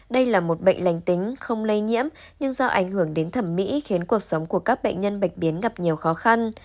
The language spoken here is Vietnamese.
đây là một bệnh lành tính không lây nhiễm nhưng do ảnh hưởng đến thẩm mỹ khiến cuộc sống của các bệnh nhân bạch biến gặp nhiều khó khăn